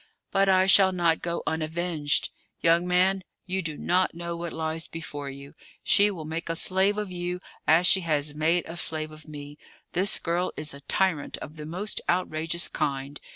"But I shall not go unavenged. Young man, you do not know what lies before you. She will make a slave of you, as she has made a slave of me; this girl is a tyrant of the most outrageous kind.